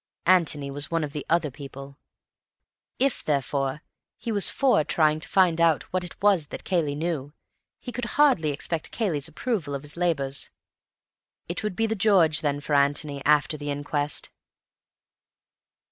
Antony was one of the "other people"; if, therefore, he was for trying to find out what it was that Cayley knew, he could hardly expect Cayley's approval of his labours. It would be 'The George,' then, for Antony after the inquest.